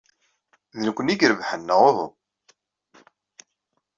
D nekkni ay irebḥen, neɣ uhu?